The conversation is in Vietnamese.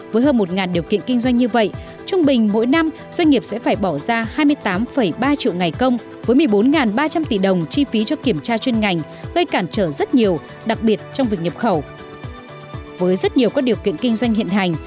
với rất nhiều các điều kiện kinh doanh hiện hành